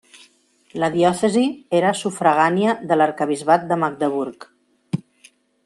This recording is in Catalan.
La diòcesi era sufragània de l'Arquebisbat de Magdeburg.